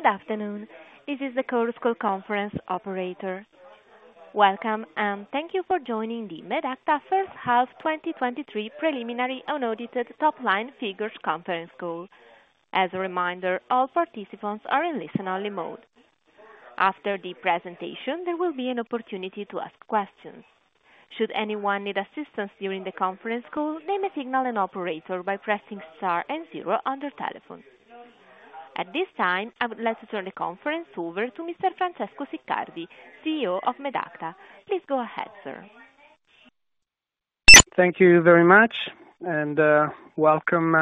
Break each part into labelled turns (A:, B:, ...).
A: Good afternoon. This is the Chorus Call Conference operator. Welcome, and thank you for joining the Medacta First Half 2023 preliminary unaudited top-line figures conference call. As a reminder, all participants are in listen-only mode. After the presentation, there will be an opportunity to ask questions. Should anyone need assistance during the conference call, they may signal an operator by pressing star zero on their telephone. At this time, I would like to turn the conference over to Mr. Francesco Siccardi, CEO of Medacta. Please go ahead, sir.
B: Thank you very much. Welcome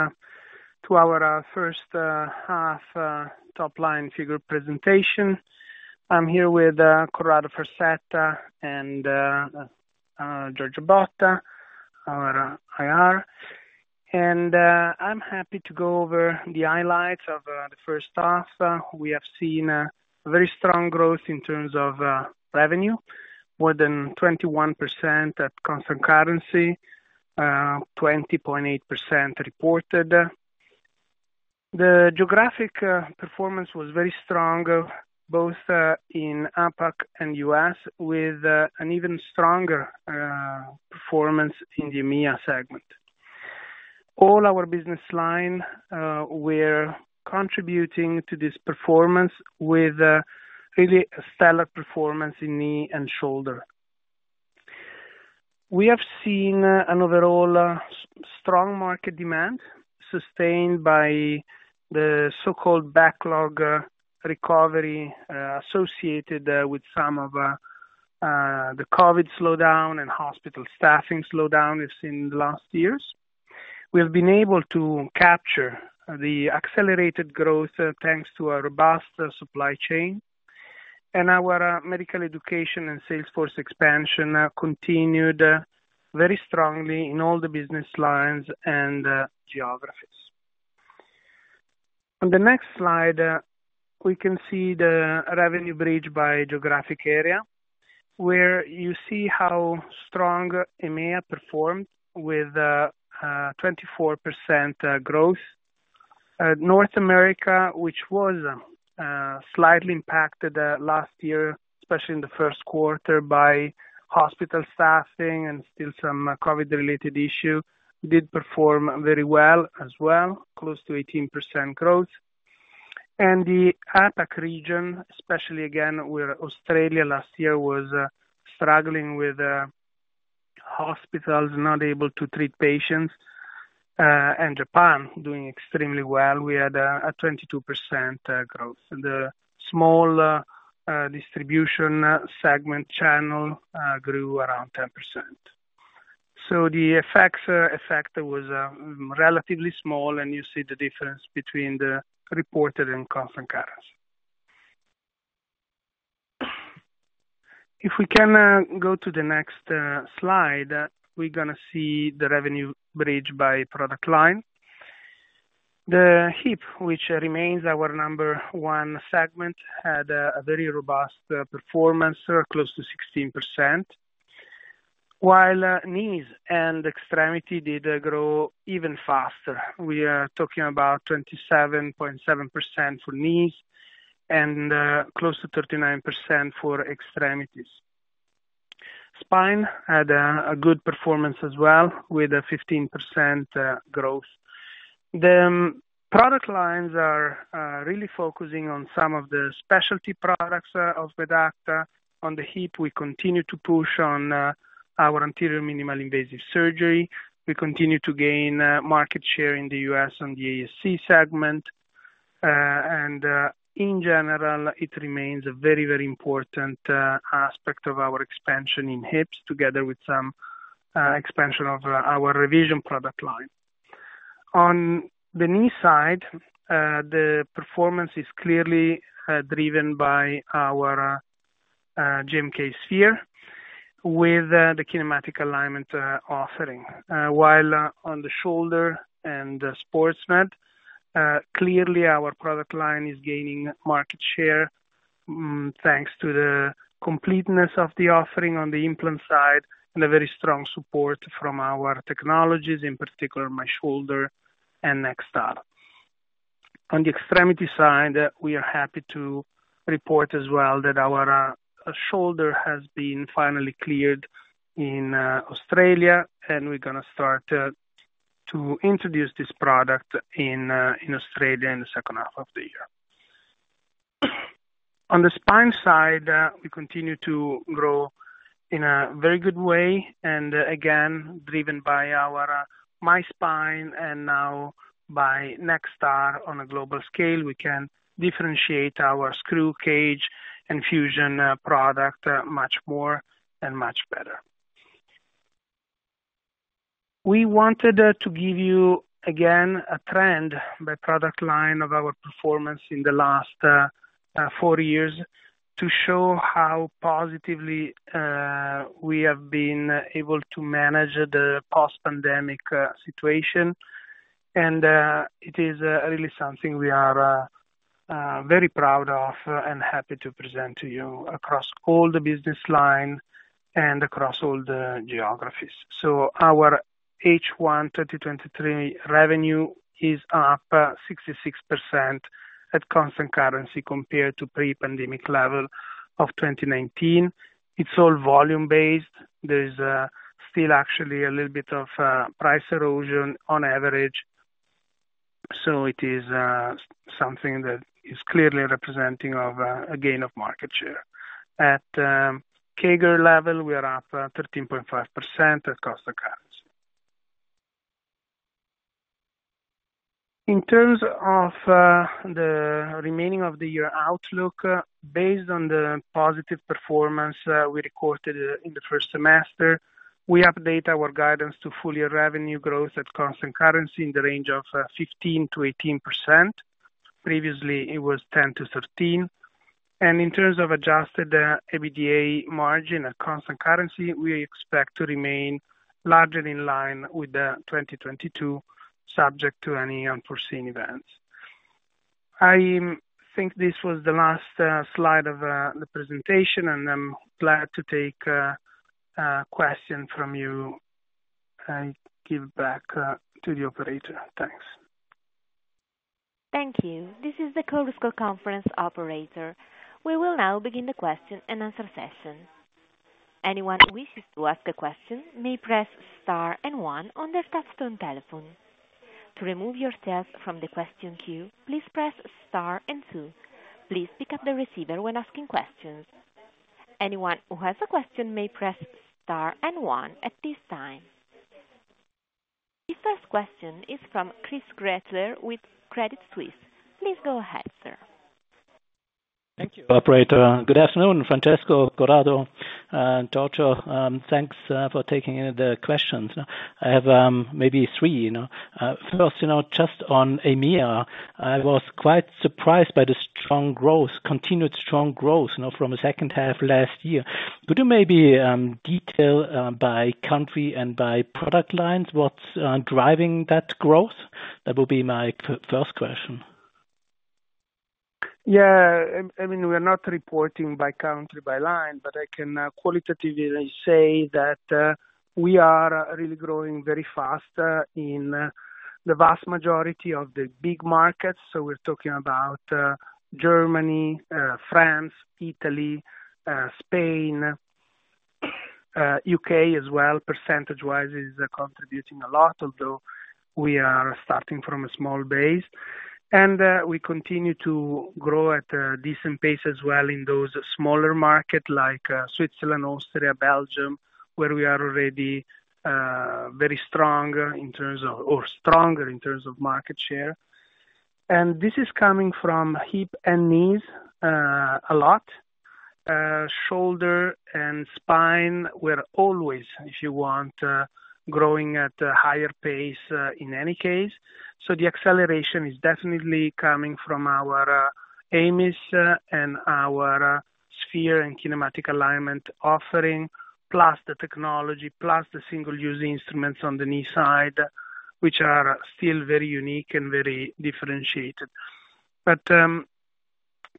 B: to our First Half Top-line Figure Presentation. I'm here with Corrado Farsetta and Giorgio Botta, our IR. I'm happy to go over the highlights of the first half. We have seen a very strong growth in terms of revenue, more than 21% at constant currency, 20.8% reported. The geographic performance was very strong, both in APAC and US, with an even stronger performance in the EMEA segment. All our business line were contributing to this performance with really a stellar performance in Knee and Shoulder. We have seen an overall strong market demand, sustained by the so-called backlog recovery, associated with some of the COVID slowdown and hospital staffing slowdown we've seen in the last years. We have been able to capture the accelerated growth, thanks to a robust supply chain, and our medical education and sales force expansion continued very strongly in all the business lines and geographies. On the next slide, we can see the revenue bridge by geographic area, where you see how strong EMEA performed with 24% growth. North America, which was slightly impacted last year, especially in the Q1 by hospital staffing and still some COVID-related issue, did perform very well as well, close to 18% growth. The APAC region, especially again, where Australia last year was struggling with hospitals not able to treat patients, and Japan doing extremely well. We had a 22% growth. The small distribution segment channel grew around 10%. The effects effect was relatively small, and you see the difference between the reported and constant currency. If we can go to the next slide, we're gonna see the revenue bridge by product line. The Hip, which remains our number one segment, had a very robust performance, close to 16%, while Knee and Extremities did grow even faster. We are talking about 27.7% for Knee and close to 39% for Extremities. Spine had a good performance as well, with a 15% growth. The product lines are really focusing on some of the specialty products of Medacta. On the hip, we continue to push on our Anterior Minimally Invasive Surgery. We continue to gain market share in the US and the ASC segment, and in general, it remains a very, very important aspect of our expansion in hips, together with some expansion of our revision product line. On the Knee side, the performance is clearly driven by our GMK Sphere, with the Kinematic Alignment offering. While on the Shoulder and Sports Med, clearly our product line is gaining market share, thanks to the completeness of the offering on the implant side and a very strong support from our technologies, in particular, MyShoulder and NextAR. On the extremity side, we are happy to report as well that our Shoulder has been finally cleared in Australia, and we're gonna start to introduce this product in Australia in the second half of the year. On the spine side, we continue to grow in a very good way, and again, driven by our MySpine and now by NextAR on a global scale, we can differentiate our screw cage and fusion product much more and much better. We wanted to give you again, a trend by product line of our performance in the last four years, to show how positively we have been able to manage the post-pandemic situation. It is really something we are very proud of and happy to present to you across all the business line and across all the geographies. Our H1 2023 revenue is up 66% at constant currency compared to pre-pandemic level of 2019. It's all volume based. There's still actually a little bit of price erosion on average, so it is something that is clearly representing of a gain of market share. At CAGR level, we are up 13.5% at constant currency. In terms of the remaining of the year outlook, based on the positive performance we recorded in the first semester, we update our guidance to full year revenue growth at constant currency in the range of 15%-18%. Previously, it was 10%-15%, and in terms of adjusted EBITDA margin at constant currency, we expect to remain largely in line with the 2022, subject to any unforeseen events. I think this was the last slide of the presentation, and I'm glad to take a question from you. I give back to the operator. Thanks.
A: Thank you. This is the Chorus Call Conference operator. We will now begin the question and answer session. Anyone who wishes to ask a question may press star and one on their touch-tone telephone. To remove yourself from the question queue, please press star and two. Please pick up the receiver when asking questions. Anyone who has a question may press star and one at this time. The first question is from Chris Gretler with Credit Suisse. Please go ahead, sir.
C: Thank you, operator. Good afternoon, Francesco, Corrado, and Giorgio. Thanks for taking the questions. I have maybe three, you know. First, you know, just on EMEA, I was quite surprised by the strong growth, continued strong growth, you know, from the second half of last year. Could you maybe detail by country and by product lines, what's driving that growth? That would be my first question.
B: Yeah, I mean, we are not reporting by country, by line, but I can qualitatively say that we are really growing very fast in the vast majority of the big markets. We're talking about Germany, France, Italy, Spain, UK as well, percentage-wise, is contributing a lot, although we are starting from a small base. we continue to grow at a decent pace as well in those smaller market like Switzerland, Austria, Belgium, where we are already very stronger in terms of, or stronger in terms of market share. This is coming from Hip and Knees, a lot, Shoulder and Spine, we're always, if you want, growing at a higher pace, in any case. The acceleration is definitely coming from our AMIS and our sphere and Kinematic Alignment offering, plus the technology, plus the single-use instruments on the Knee side, which are still very unique and very differentiated.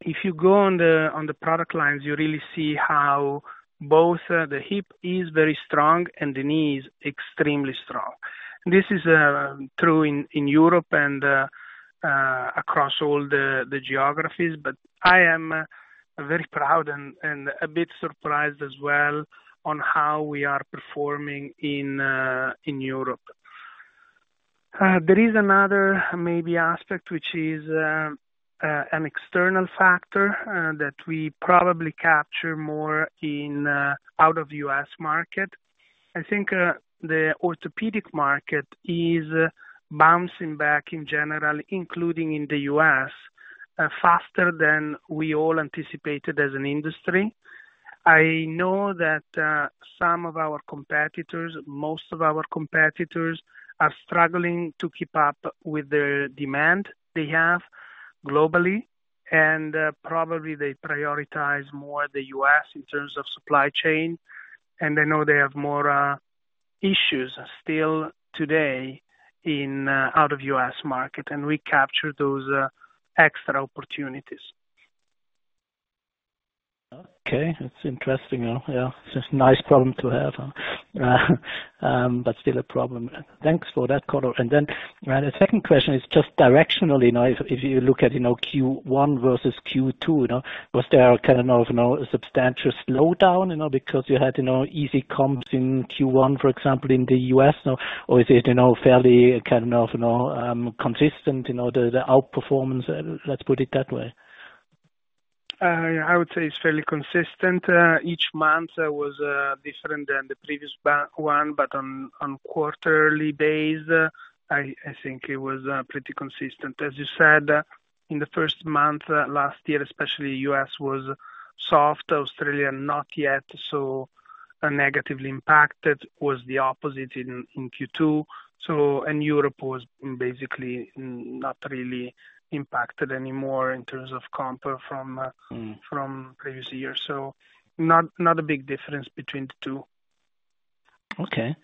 B: If you go on the product lines, you really see how both the Hip is very strong and the Knee is extremely strong. This is true in Europe and across all the geographies, but I am very proud and a bit surprised as well on how we are performing in Europe. There is another maybe aspect, which is an external factor that we probably capture more out of the US market. I think the orthopedic market is bouncing back in general, including in the US, faster than we all anticipated as an industry. I know that some of our competitors, most of our competitors, are struggling to keep up with the demand they have globally, and probably they prioritize more the US in terms of supply chain, and I know they have more issues still today in out of US market, and we capture those extra opportunities.
C: Okay, that's interesting. Yeah, it's a nice problem to have, but still a problem. Thanks for that, Corrado. The second question is just directionally, now, if, if you look at, you know, Q1 versus Q2, you know, was there a kind of, you know, substantial slowdown, you know, because you had, you know, easy comps in Q1, for example, in the US, or is it, you know, fairly, kind of, you know, consistent, you know, the, the outperformance, let's put it that way?
B: I would say it's fairly consistent. Each month was different than the previous 1, but on, on quarterly basis, I, I think it was pretty consistent. As you said, in the first month, last year, especially, U.S. was soft, Australia not yet, so negatively impacted was the opposite in Q2. Europe was basically not really impacted anymore in terms of comps from.
C: Mm.
B: from previous years. Not, not a big difference between the two.
C: Okay,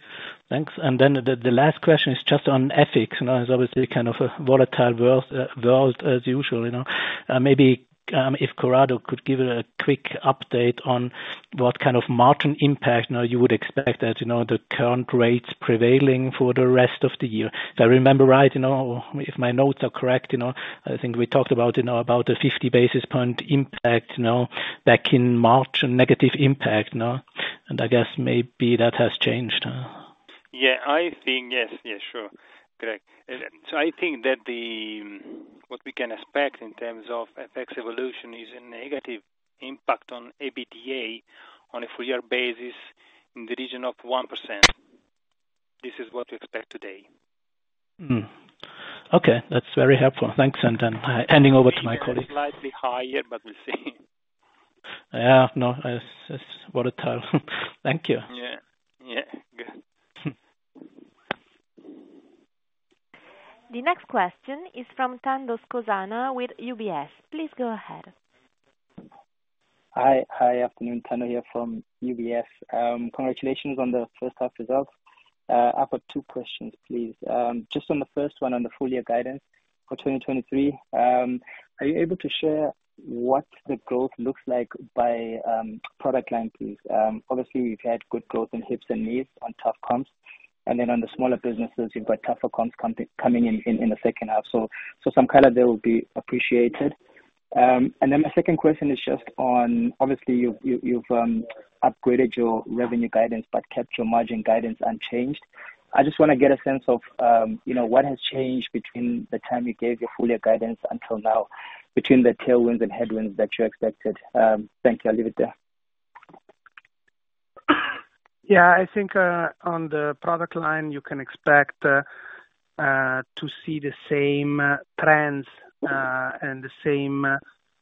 C: thanks. Then the, the last question is just on FX, you know, it's obviously kind of a volatile world, world as usual, you know. Maybe, if Corrado could give a quick update on what kind of margin impact, you know, you would expect that, you know, the current rates prevailing for the rest of the year. If I remember right, you know, if my notes are correct, you know, I think we talked about, you know, about a 50 basis point impact, you know, back in March, a negative impact, no? I guess maybe that has changed, huh?
D: Yeah, I think yes. Yes, sure. Correct. I think that what we can expect in terms of FX evolution is a negative impact on EBITDA on a full year basis in the region of 1%. This is what we expect today.
C: Mm. Okay, that's very helpful. Thanks, and then handing over to my colleague.
D: Slightly higher, but we'll see.
C: Yeah, no, it's, it's volatile. Thank you.
D: Yeah. Yeah, good.
C: Hmm.
A: The next question is from Thando Skosana with UBS. Please go ahead.
E: Hi. Hi, afternoon, Thando here from UBS. Congratulations on the first half results. I've got two questions, please. Just on the first one, on the full year guidance for 2023, are you able to share what the growth looks like by product line, please? Obviously, you've had good growth in Hip and Knee on tough comps, and then on the smaller businesses, you've got tougher comps coming in the second half. Some color there will be appreciated. My second question is just on, obviously, you've, you've upgraded your revenue guidance but kept your margin guidance unchanged?. I just wanna get a sense of, you know, what has changed between the time you gave your full year guidance until now, between the tailwinds and headwinds that you expected?. Thank you. I'll leave it there.
B: Yeah, I think, on the product line, you can expect to see the same trends, and the same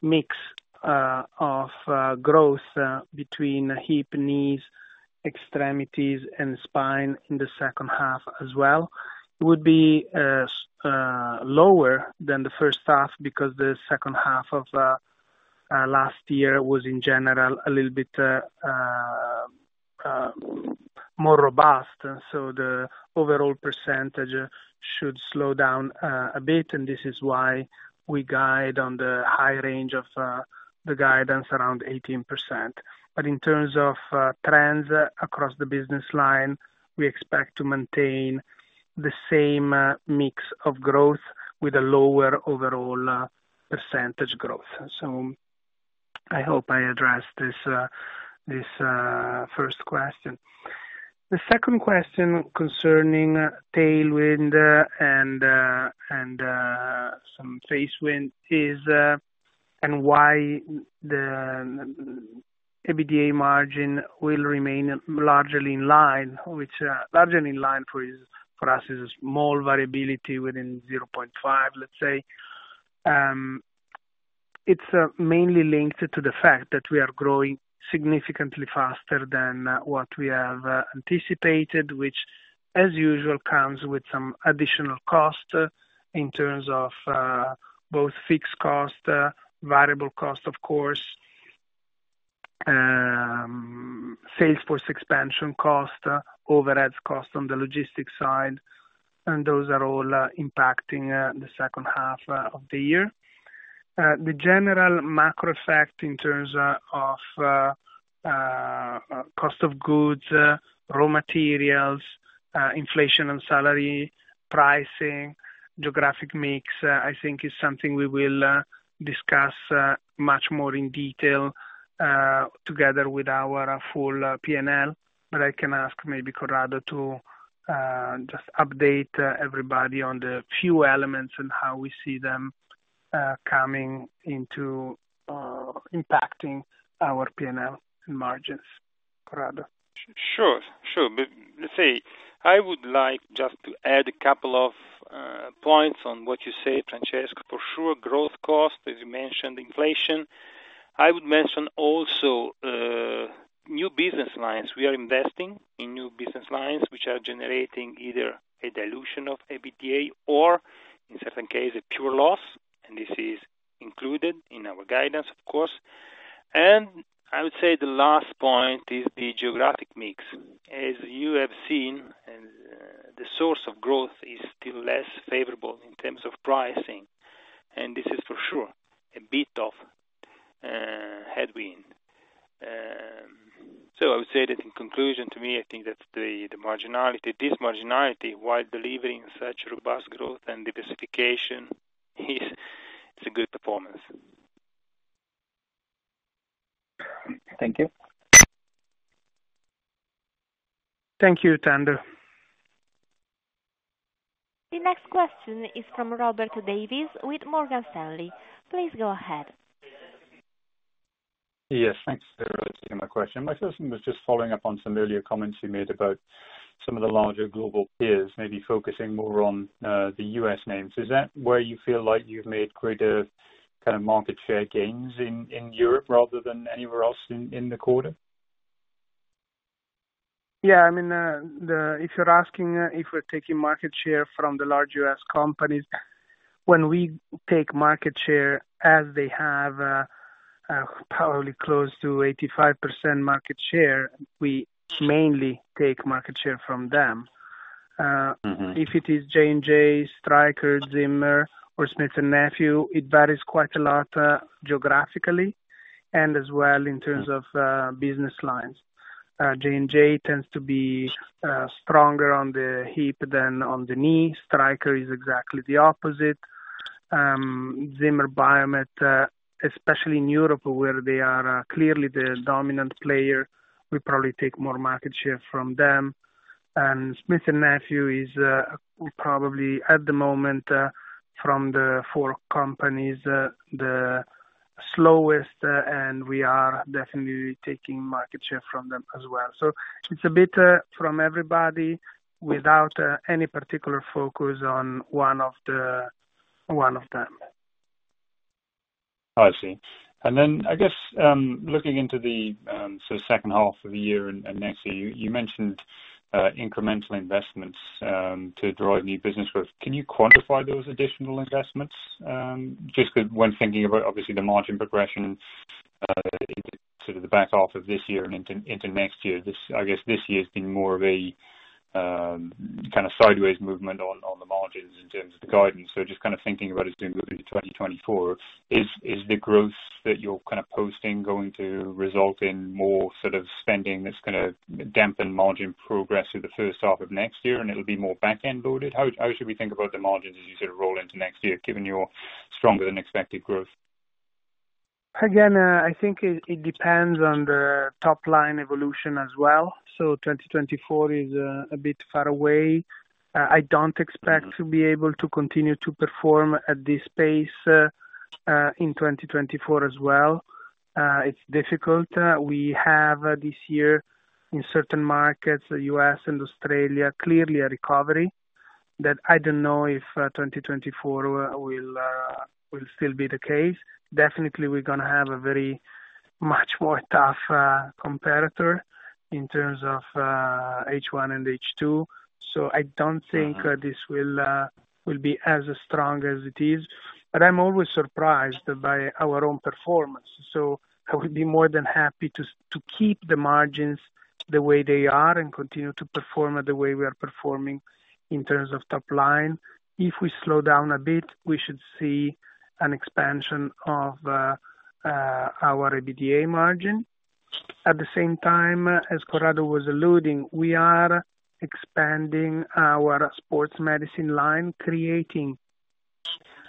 B: mix of growth between Hip, Knee, Extremities, and Spine in the second half as well. It would be lower than the first half, because the second half of last year was, in general, a little bit more robust. The overall percentage should slow down a bit, and this is why we guide on the high range of the guidance around 18%. In terms of trends across the business line, we expect to maintain the same mix of growth with a lower overall percentage growth. I hope I addressed this, this, first question. The second question concerning tailwind and some face wind is, why the EBITDA margin will remain largely in line, which largely in line for is, for us, is small variability within 0.5, let's say. It's mainly linked to the fact that we are growing significantly faster than what we have anticipated, which, as usual, comes with some additional costs in terms of both fixed costs, variable costs, of course, sales force expansion cost, overheads cost on the logistics side, and those are all impacting the second half of the year. The general macro effect in terms of cost of goods, raw materials, inflation and salary, pricing, geographic mix, I think is something we will discuss much more in detail together with our full PNL. I can ask maybe Corrado to just update everybody on the few elements and how we see them coming into impacting our PNL and margins. Corrado?
D: Sure, sure. Let's say, I would like just to add a couple of points on what you say, Francesco. For sure, growth cost, as you mentioned, inflation. I would mention also new business lines. We are investing in new business lines, which are generating either a dilution of EBITDA or in certain cases, a pure loss, and this is included in our guidance, of course. I would say the last point is the geographic mix. As you have seen, the source of growth is still less favorable in terms of pricing, and this is for sure a bit of headwind. I would say that in conclusion to me, I think that the marginality, this marginality, while delivering such robust growth and diversification, is a good performance.
E: Thank you.
B: Thank you, Thando.
A: The next question is from Robert Davies with Morgan Stanley. Please go ahead.
F: Yes, thanks for taking my question. My first one was just following up on some earlier comments you made about some of the larger global peers, maybe focusing more on the U.S. names. Is that where you feel like you've made greater, kind of, market share gains in Europe rather than anywhere else in the quarter?
B: Yeah, I mean, if you're asking if we're taking market share from the large U.S. companies. When we take market share, as they have, probably close to 85% market share, we mainly take market share from them.
F: Mm-hmm.
B: If it is J&J, Stryker, Zimmer, or Smith & Nephew, it varies quite a lot, geographically and as well in terms of business lines. J&J tends to be stronger on the Hip than on the Knee. Stryker is exactly the opposite. Zimmer Biomet, especially in Europe, where they are clearly the dominant player, we probably take more market share from them. Smith & Nephew is probably at the moment, from the four companies, the slowest, and we are definitely taking market share from them as well. It's a bit from everybody without any particular focus on one of the, one of them.
F: I see. I guess, looking into the second half of the year and next year, you mentioned incremental investments to drive new business growth. Can you quantify those additional investments? Just that when thinking about obviously the margin progression, sort of the back half of this year and into next year, I guess this year's been more of a kind of sideways movement on the margins in terms of the guidance. Just kind of thinking about it going into 2024, is the growth that you're kind of posting going to result in more sort of spending that's gonna dampen margin progress through the first half of next year, and it'll be more back-end loaded? How should we think about the margins as you sort of roll into next year, given your stronger than expected growth?
B: Again, I think it, it depends on the top line evolution as well. So 2024 is a bit far away. I don't expect-
F: Mm-hmm.
B: to be able to continue to perform at this pace in 2024 as well. It's difficult. We have this year in certain markets, the US and Australia, clearly a recovery, that I don't know if 2024 will still be the case. Definitely, we're gonna have a very much more tough competitor in terms of H1 and H2. I don't think-
F: Mm-hmm.
B: This will will be as strong as it is, but I'm always surprised by our own performance, so I would be more than happy to keep the margins the way they are and continue to perform the way we are performing in terms of top line. If we slow down a bit, we should see an expansion of our EBITDA margin. At the same time, as Corrado Farsetta was alluding, we are expanding our sports medicine line, creating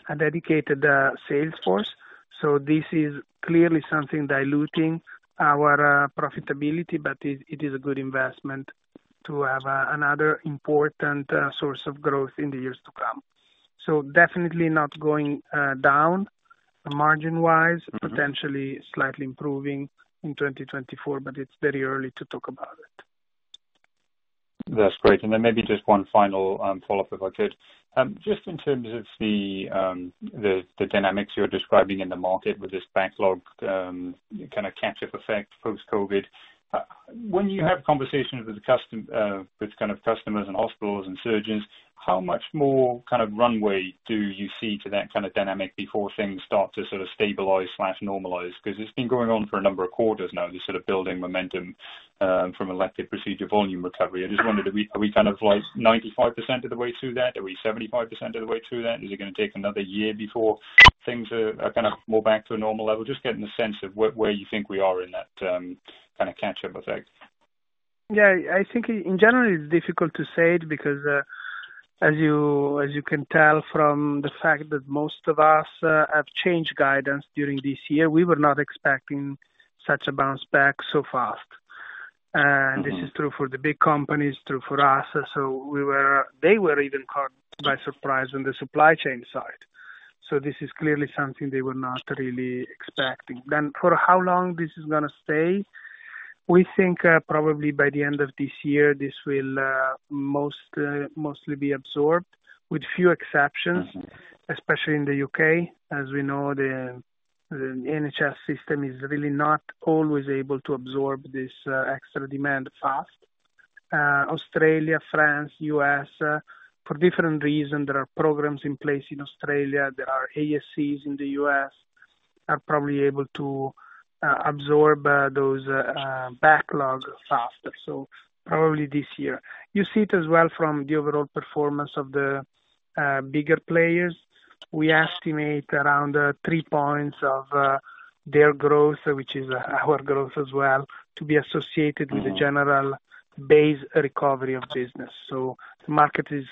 B: a dedicated sales force. This is clearly something diluting our profitability, but it is a good investment to have another important source of growth in the years to come. Definitely not going down margin-wise.
F: Mm-hmm.
B: Potentially slightly improving in 2024, but it's very early to talk about it.
F: That's great. Maybe just one final follow-up, if I could. Just in terms of the dynamics you're describing in the market with this backlog, kind of catch-up effect post-COVID. When you have conversations with customers and hospitals and surgeons, how much more kind of runway do you see to that kind of dynamic before things start to sort of stabilize slash normalize? Because it's been going on for a number of quarters now, this sort of building momentum from elective procedure volume recovery.
B: Mm-hmm.
F: I just wondered, are we, are we kind of like 95% of the way through that? Are we 75% of the way through that? Is it gonna take another year before things are, are kind of more back to a normal level? Just getting a sense of where, where you think we are in that, kind of catch-up effect.
B: I think in general, it's difficult to say it because, as you, as you can tell from the fact that most of us, have changed guidance during this year, we were not expecting such a bounce back so fast.
F: Mm-hmm.
B: This is true for the big companies, true for us. They were even caught by surprise on the supply chain side. This is clearly something they were not really expecting. For how long this is gonna stay, we think, probably by the end of this year, this will, most, mostly be absorbed, with few exceptions.
F: Mm-hmm...
B: especially in the UK. As we know, the NHS system is really not always able to absorb this extra demand fast. Australia, France, US, for different reasons, there are programs in place in Australia. There are ASCs in the US, are probably able to absorb those backlogs faster, so probably this year. You see it as well from the overall performance of the bigger players. We estimate around three points of their growth, which is our growth as well, to be associated-
F: Mm-hmm...
B: with the general base recovery of business. The market is,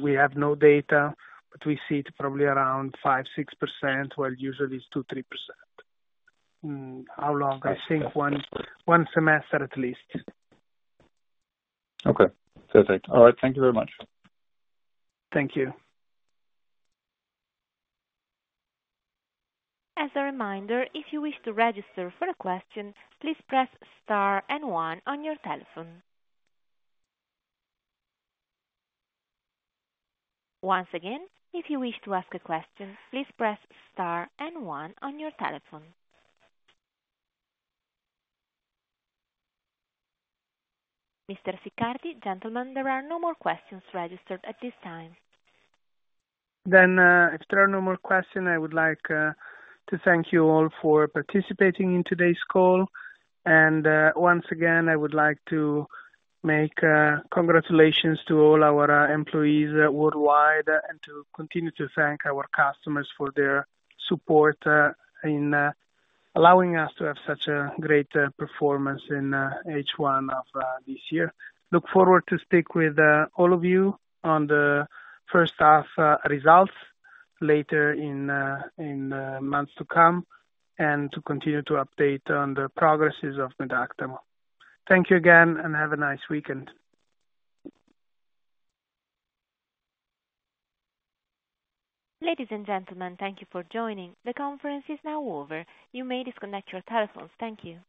B: we have no data, but we see it probably around 5%-6%, while usually it's 2%-3%. How long? I think 1 semester at least.
F: Okay. Perfect. All right. Thank you very much.
B: Thank you.
A: As a reminder, if you wish to register for a question, please press star and one on your telephone. Once again, if you wish to ask a question, please press star and one on your telephone. Mr. Siccardi, gentlemen, there are no more questions registered at this time.
B: If there are no more questions, I would like to thank you all for participating in today's call. Once again, I would like to make congratulations to all our employees worldwide, and to continue to thank our customers for their support in allowing us to have such a great performance in H1 of this year. Look forward to speak with all of you on the first half results later in months to come, and to continue to update on the progresses of Medacta. Thank you again, and have a nice weekend.
A: Ladies and gentlemen, thank you for joining. The conference is now over. You may disconnect your telephones. Thank you.